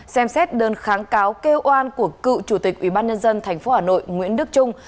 xem xét đơn kháng cáo kêu oan của cựu chủ tịch ủy ban nhân dân tp hà nội nguyễn đức trung